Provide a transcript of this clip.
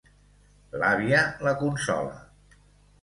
L'àvia la consola.